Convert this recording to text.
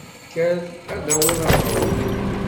Kker ad d-tawiḍ aɣrum!